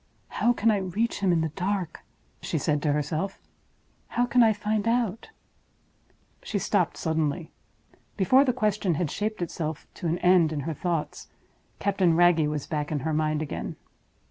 "How can I reach him in the dark?" she said to herself. "How can I find out—?" She stopped suddenly. Before the question had shaped itself to an end in her thoughts, Captain Wragge was back in her mind again.